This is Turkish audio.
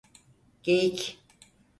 Geyik.